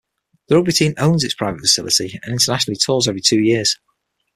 The rugby team owns its private facility and internationally tours every two years.